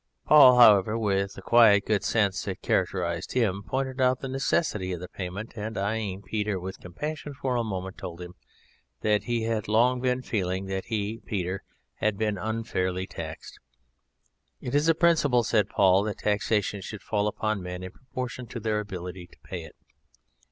Paul, however, with the quiet good sense that characterised him, pointed out the necessity of the payment and, eyeing Peter with compassion for a moment, told him that he had long been feeling that he (Peter) had been unfairly taxed. "It is a principle" (said Paul) "that taxation should fall upon men in proportion to their ability to pay it.